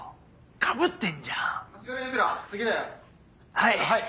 はい！